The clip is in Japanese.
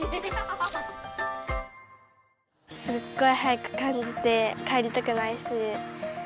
すっごい早くかんじて帰りたくないし。